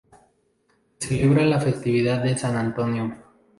Se celebra la festividad de San Antonio.